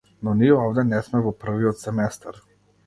Но ние овде не сме во првиот семестар.